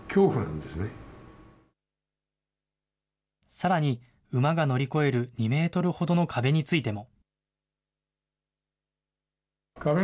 さらに、馬が乗り超える２メートルほどの壁についても。